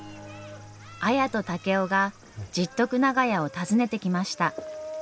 綾と竹雄が十徳長屋を訪ねてきました。